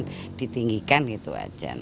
jadi ditinggikan itu aja